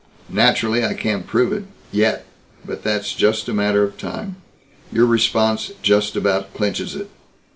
Naturally, I can't prove it yet. But that's just a matter of time. Your response just about clinches it.